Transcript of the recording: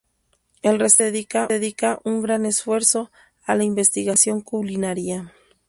El restaurante dedica un gran esfuerzo a la investigación culinaria.